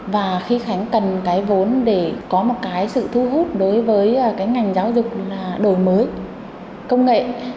và khi khánh cần cái vốn để có một cái sự thu hút đối với cái ngành giáo dục là đổi mới công nghệ